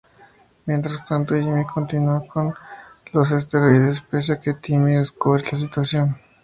Mientras tanto, Jimmy continúa con los esteroides pese a que Timmy descubre la situación.